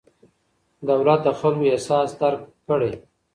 دولت د خلکو احساس درک کړي.